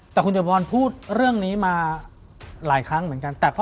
แต่คุณจบบอลพูดเรื่องนี้มาหลายครั้งเหมือนกัน